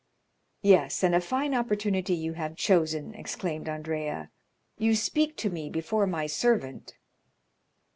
"Yes, and a fine opportunity you have chosen!" exclaimed Andrea; "you speak to me before my servant."